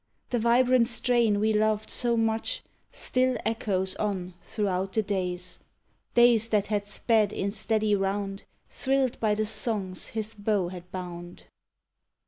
The vibrant strain we loved so much Still echoes on throughout the days; Days that had sped in steady round Thrilled by the songs his bow had bound.